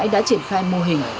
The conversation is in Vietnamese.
đã triển khai mô hình